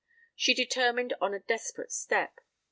She determined on a desperate step.